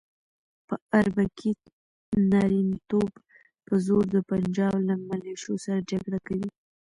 په اربکي نارینتوب په زور د پنجاب له ملیشو سره جګړه کوي.